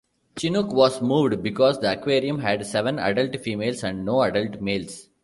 Chinook was moved because the aquarium had seven adult females and no adult males.